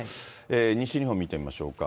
西日本見てみましょうか。